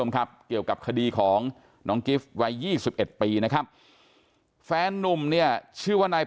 ครับกับคดีของน้องวัย๒๑ปีนะครับแฟนนุ่มเนี่ยชื่อว่าใน